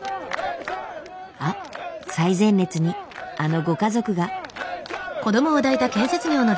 あっ最前列にあのご家族が。